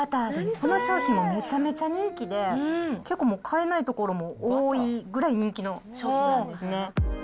この商品もめちゃめちゃ人気で、結構もう買えない所も多いぐらい人気の商品なんですね。